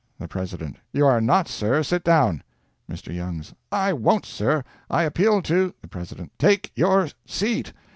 The President—"You are not, sir—sit down." Mr. Youngs—"I won't, sir! I appeal to—." The President—"Take your—seat!"